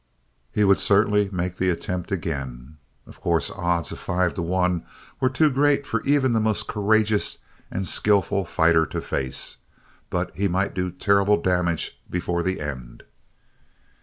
He would certainly make the attempt again. Of course odds of five to one were too great for even the most courageous and skilful fighter to face. But he might do terrible damage before the end.